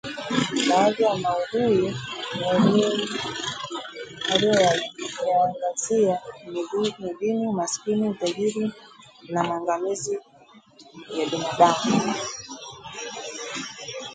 Baadhi ya maudhui aliyoyaangazia ni dini, umasikini, utajiri na maangamizi ya binadamu